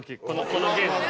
このゲームの。